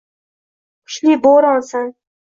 Kuchli bo’ronsan